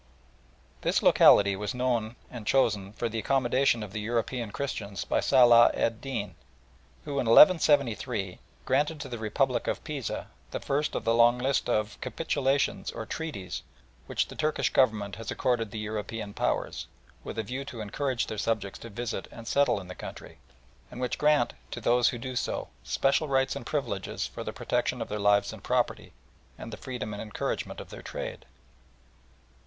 This locality was chosen for the accommodation of the European Christians by Salah ed Deen, who, in 1173, granted to the Republic of Pisa the first of the long list of "Capitulations," or Treaties, which the Turkish Government has accorded the European Powers, with a view to encourage their subjects to visit and settle in the country, and which grant to those who do so, special rights and privileges for the protection of their lives and property, and the freedom and encouragement of their trade.